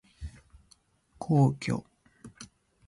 皇居